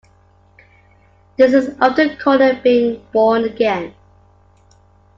This is often called being born again.